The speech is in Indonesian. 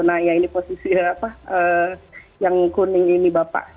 nah ya ini posisi yang kuning ini bapak